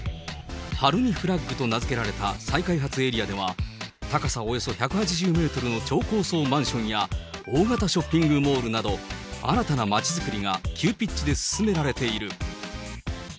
はるみフラッグと名付けられた再開発エリアでは、高さおよそ１８０メートルの超高層マンションや、大型ショッピングモールなど、新たなまちづくりが急ピッチで進められている。